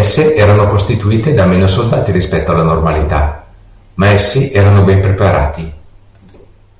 Esse erano costituite da meno soldati rispetto alla normalità, ma essi erano ben preparati.